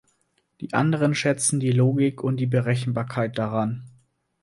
Die Anderen schätzen die Logik und die Berechenbarkeit daran.